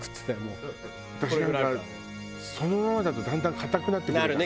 私なんかそのままだとだんだん硬くなってくるじゃない。